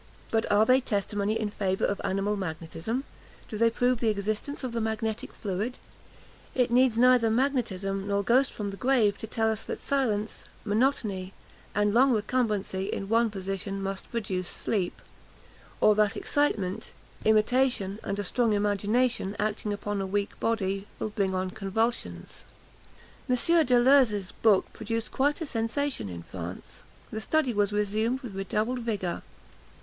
But are they testimony in favour of animal magnetism? do they prove the existence of the magnetic fluid? It needs neither magnetism, nor ghost from the grave, to tell us that silence, monotony, and long recumbency in one position, must produce sleep; or that excitement, imitation, and a strong imagination acting upon a weak body, will bring on convulsions. M. Deleuze's book produced quite a sensation in France; the study was resumed with redoubled vigour.